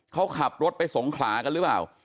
เขาขับรถไปสงขลากันหรือเปล่า